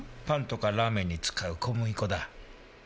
パンとかラーメンに使う小麦粉だ。